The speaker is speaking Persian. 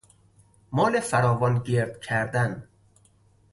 مال فراوان گرد کردن